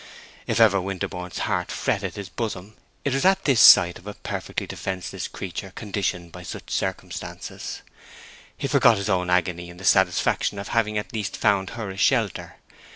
If ever Winterborne's heart fretted his bosom it was at this sight of a perfectly defenceless creature conditioned by such circumstances. He forgot his own agony in the satisfaction of having at least found her a shelter.